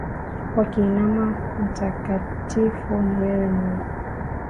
Wakiinama, mtakatifu ni wewe Mungu.